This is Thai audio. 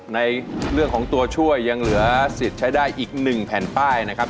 ในเรื่องของตัวช่วยยังเหลือสิทธิ์ใช้ได้อีก๑แผ่นป้ายนะครับ